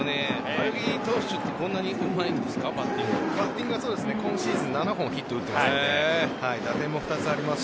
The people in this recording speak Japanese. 青柳投手はこんなにうまいんですかバッティングは今シーズン７本ヒットを打っています。